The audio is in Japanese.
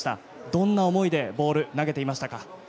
どんな思いでボールを投げていましたか？